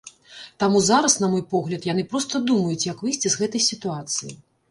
Таму зараз, на мой погляд, яны проста думаюць, як выйсці з гэтай сітуацыі.